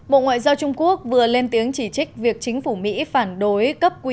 bộ ngoại giao trung quốc vừa lên tiếng chỉ trích việc chính phủ mỹ phản đối